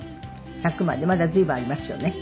１００までまだ随分ありますよね。